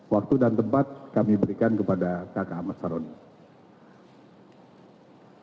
waktu dan tempat kami berikan kepada kakak mas aroni